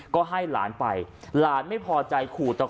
ก็ให้หลานไปหลานไม่พอใจขู่ต่อ